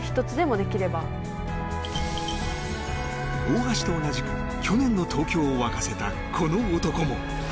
大橋と同じく去年の東京を沸かせたこの男も。